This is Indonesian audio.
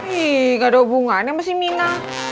ih gak ada hubungannya sama simina